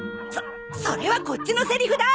そそれはこっちのセリフだ！